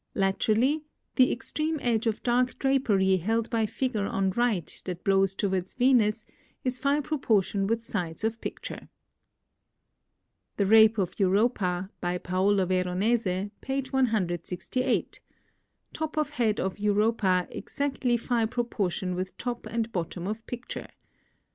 Laterally the extreme edge of dark drapery held by figure on right that blows towards Venus is Phi proportion with sides of picture. "The Rape of Europa," by Paolo Veronese, page 168 [Transcribers Note: Plate XXXVIII]. Top of head of Europa exactly Phi proportion with top and bottom of picture.